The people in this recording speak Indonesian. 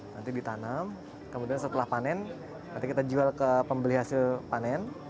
nanti ditanam kemudian setelah panen nanti kita jual ke pembeli hasil panen